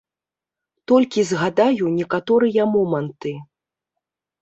Толькі згадаю некаторыя моманты.